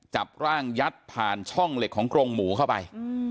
จับร่างยัดผ่านช่องเหล็กของกรงหมูเข้าไป